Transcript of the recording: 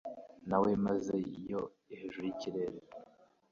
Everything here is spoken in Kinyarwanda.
nawe mazi yo hejuru y’ikirere